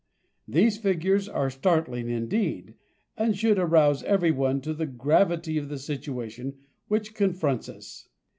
These figures are startling indeed and should arouse everyone to the gravity of the situation which confronts us.